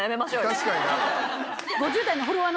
確かにな。